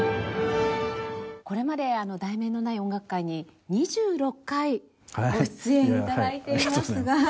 これまで『題名のない音楽会』に２６回ご出演頂いていますが。